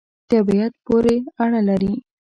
طبعیت پوری اړه لری